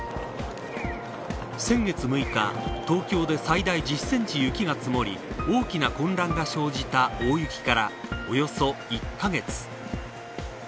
先月６日東京で最大１０センチ雪が積もり大きな混乱が生じた大雪からおよそ１カ月。